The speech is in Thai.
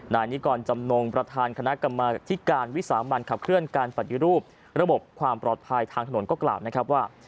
นายนิกรจำนงประธานคณะกรรมธิการวิสามันขับเคลื่อนการปฏิรูประบบความปลอดภัยทางถนนก็กล่าวนะครับว่า